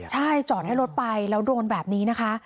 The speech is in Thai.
ใช่จอดให้รถไปแล้วโดนแบบนี้นะคะ